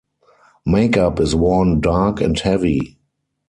Make-up is worn dark and heavy.